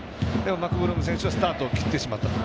マクブルーム選手はスタートを切ってしまったと。